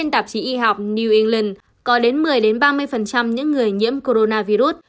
năm tạp chí y học new england có đến một mươi ba mươi những người nhiễm coronavirus